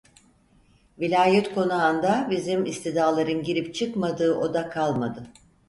Vilayet konağında bizim istidaların girip çıkmadığı oda kalmadı.